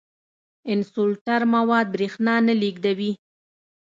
انسولټر مواد برېښنا نه لیږدوي.